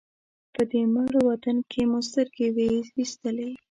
په دې مړ وطن کې مو سترګې وې وېستلې.